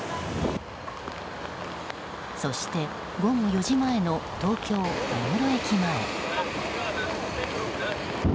そして午後４時前の東京・目黒駅前。